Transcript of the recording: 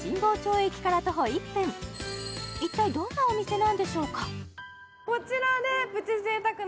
一体どんなお店なんでしょうかえっ？